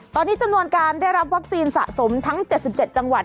ตอนนี้จำนวนการได้รับวัคซีนสะสมทั้ง๗๗จังหวัด